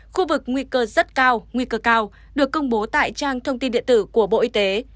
khu vực nguy cơ rất cao nguy cơ cao được công bố tại trang thông tin điện tử của bộ y tế